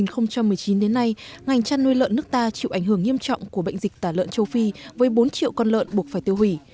từ tháng hai năm hai nghìn một mươi chín đến nay ngành chăn nuôi lợn nước ta chịu ảnh hưởng nghiêm trọng của bệnh dịch tà lợn châu phi với bốn triệu con lợn buộc phải tiêu hủy